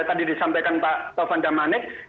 tadi disampaikan pak taufan damanik